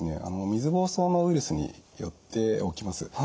水ぼうそうのウイルスによって起きます。